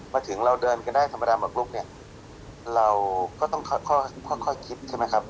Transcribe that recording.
มาถึงเราเดินกันได้ธรรมดาหมักลุกเนี่ยเราก็ต้องค่อยคิดใช่ไหมครับ